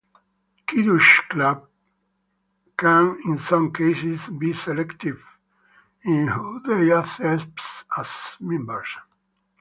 Kiddush Clubs can, in some cases, be selective in who they accepts as members.